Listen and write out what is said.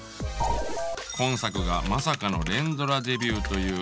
今作がまさかの連ドラデビューという生方さん。